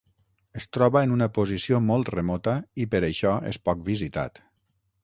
Es troba en una posició molt remota i per això és poc visitat.